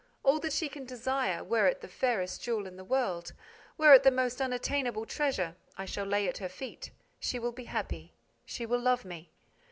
All that she can desire, were it the fairest jewel in the world, were it the most unattainable treasure, I shall lay at her feet. She will be happy. She will love me.